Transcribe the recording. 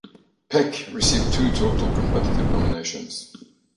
Peck received two total competitive nominations.